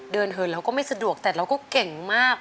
เหินเราก็ไม่สะดวกแต่เราก็เก่งมาก